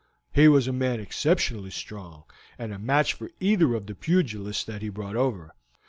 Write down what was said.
"He was a man exceptionally strong, and a match for either of the pugilists that he brought over.